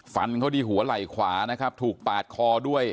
ฟันเขาที่หัวไหล่ขวานะครับถูกปาดคอด้วย